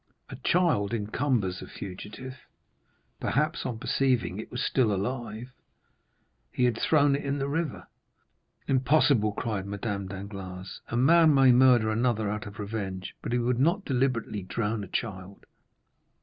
A child encumbers a fugitive; perhaps, on perceiving it was still alive, he had thrown it into the river." "Impossible!" cried Madame Danglars: "a man may murder another out of revenge, but he would not deliberately drown a child."